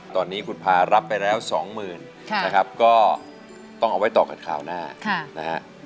ตอนนี้คุณพารับไปแล้วสองหมื่นนะครับก็ต้องเอาไว้ต่อกันคราวหน้านะฮะ